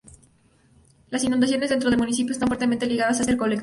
Las inundaciones, dentro del municipio, están fuertemente ligadas a este colector.